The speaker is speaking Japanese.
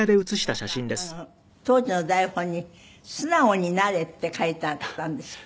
なんか当時の台本に「素直になれ」って書いてあったんですって？